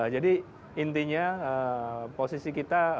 jadi intinya posisi kita